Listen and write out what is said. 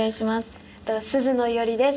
鈴野いおりです。